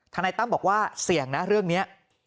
นายตั้มบอกว่าเสี่ยงนะเรื่องนี้